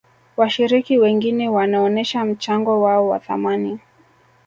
washiriki wengine wanaonesha mchango wao wa thamani